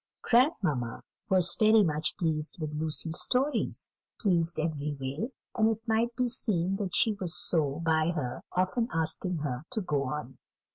Grandmamma was very much pleased with Lucy's stories pleased every way; and it might be seen that she was so by her often asking her to go on.